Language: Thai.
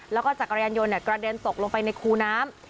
แล้วก็จักรยานยนต์กระเด็นตกลงไปในคูน้ำ